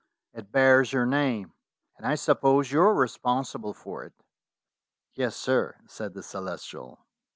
It bears your name, and I suppose you are responsible for it?" "Yes, sir," said the Celestial.